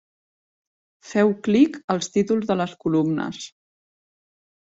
Feu clic als títols de les columnes.